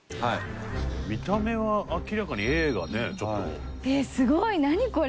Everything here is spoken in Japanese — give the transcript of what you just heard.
見た目は明らかにＡがねちょっと。